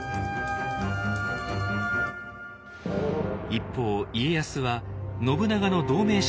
一方家康は信長の同盟者という立場。